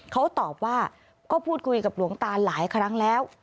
เขาตอบว่าก็พูดคุยกับหลวงตาหลายครั้งแล้ว